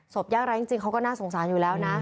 ยากร้ายจริงเขาก็น่าสงสารอยู่แล้วนะ